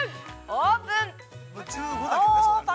オープン。